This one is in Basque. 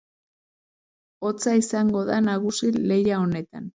Hotza izango da nagusi lehia honetan.